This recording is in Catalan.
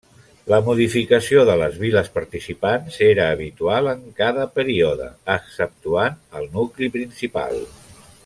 La modificació de les viles participants era habitual en cada període, exceptuant el nucli principal.